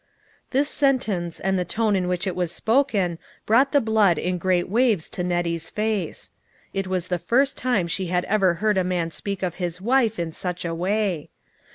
This sentence and the tone in which it was spoken, brought the blood in great waves to Nettie's face. It was the first time she had ever heard a man speak of his wife in such a way.